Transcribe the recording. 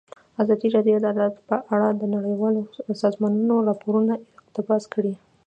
ازادي راډیو د عدالت په اړه د نړیوالو سازمانونو راپورونه اقتباس کړي.